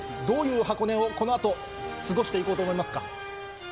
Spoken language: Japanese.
どういう箱根をこのあと過ごしていこうと思いますか。